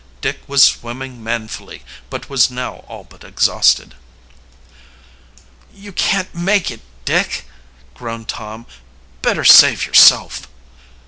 Dick was swimming manfully, but was now all but exhausted. "You can't make it, Dick," groaned Tom. "Better save yourself."